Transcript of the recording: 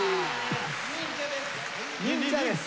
忍者です！